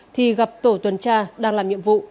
thì gặp tổ tuần tra đang làm nhiệm vụ